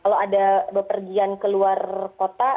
kalau ada bepergian ke luar kota